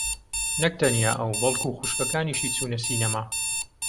نەک تەنیا ئەو بەڵکوو خوشکەکانیشی چوونە سینەما.